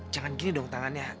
jangan gini dong tangannya